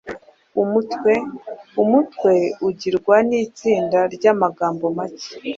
Umutwe: Umutwe ugirwa n’itsinda ry’amagambo make